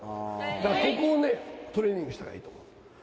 だからここをね、トレーニングしたらいいと思う。